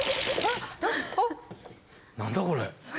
何だこれ？